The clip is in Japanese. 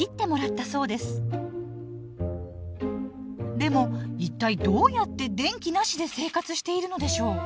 でも一体どうやって電気なしで生活しているのでしょう？